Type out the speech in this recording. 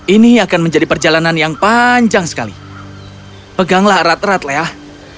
ini akan menjadi perjalanan yang panjang sekali peganglah erat erat leah